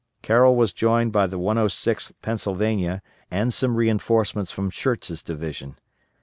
Carroll was joined by the 106th Pennsylvania and some reinforcements from Schurz's division.